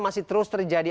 masih terus terjadi